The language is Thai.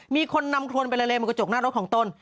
มีคนนำโครนไปละเลบนกระจกหน้ารถของตน